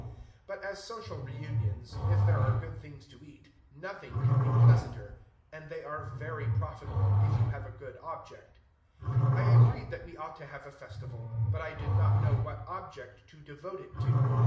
But as social reunions, if there are good things to eat, nothing can be pleasanter; and they are very profitable, if you have a good object. I agreed that we ought to have a festival; but I did not know what object to devote it to.